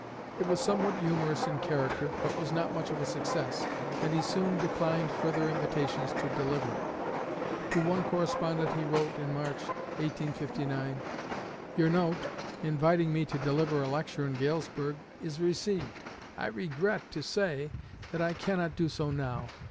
It was somewhat humorous in character, but was not much of a success, and he soon declined further invitations to deliver it. To one correspondent he wrote, in March, 1859: "Your note, inviting me to deliver a lecture in Galesburg, is received. I regret to say that I cannot do so now.